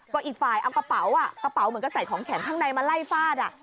ก็อีกฝ่ายเอากระเป๋ากระเป๋าเหมือนกับใส่ของแข็งข้างในมาไล่ฟาด